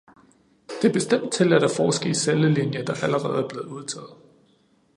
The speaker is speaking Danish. Det er bestemt tilladt at forske i cellelinjer, der allerede er blevet udtaget.